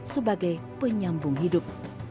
sebagai penyambung hidup